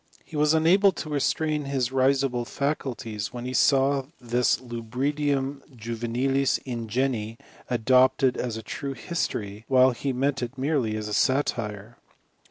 He was unable to restrain his risible faculties when he saw this ludibrium juvenilis ingenii adopted as a true history, while he meant it merely as a satire.